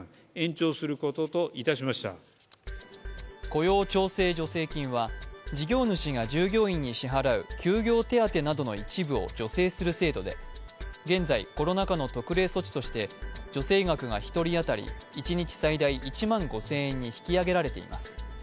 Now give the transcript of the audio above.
雇用調整助成金は事業主が従業員に支払う休業手当などの一部を助成する制度で現在、コロナ禍の特例措置として助成額が１人当たり一日最大１万５０００円に引き上げられています。